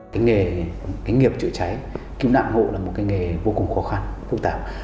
cái nghề cái nghiệp chữa cháy cứu nạn ngộ là một cái nghề vô cùng khó khăn phục tạp